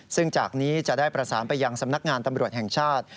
ซึ่งจากนี้จะได้ประสานไปยังสำนักงานตำรวจแห่งชาติ